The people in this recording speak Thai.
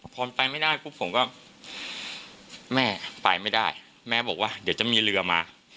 พอมันไปไม่ได้ปุ๊บผมก็แม่ไปไม่ได้แม่บอกว่าเดี๋ยวจะมีเรือมา